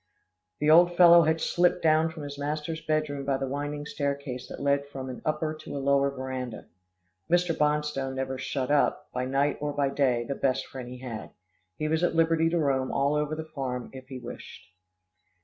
The old fellow had slipped down from his master's bedroom by the winding staircase that led from an upper to a lower veranda. Mr. Bonstone never shut up, by night or by day, the best friend he had. He was at liberty to roam all over the farm if he wished.